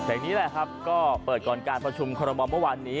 นี้แหละครับก็เปิดก่อนการประชุมคอรมอมเมื่อวานนี้